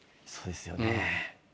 そうですよね。